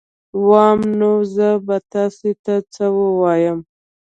وام نو زه به تاسي ته څه ووایم